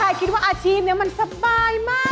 ใช่คิดว่าอาชีพนี้มันสบายมาก